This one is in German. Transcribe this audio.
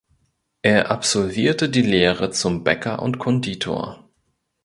Er absolvierte die Lehre zum Bäcker und Konditor.